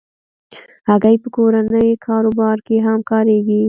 هګۍ په کورني کاروبار کې هم کارېږي.